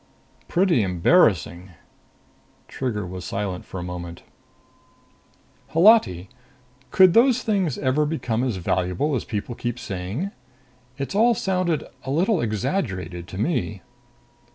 Pretty embarrassing." Trigger was silent a moment. "Holati, could those things ever become as valuable as people keep saying? It's all sounded a little exaggerated to me."